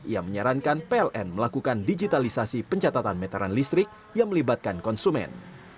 ia menyarankan pln melakukan digitalisasi pencatatan meteran listrik yang melibatkan konsumen